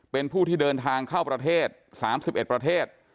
เป็นผู้ที่เดินทางเข้าประเทศ๓๑ประเทศ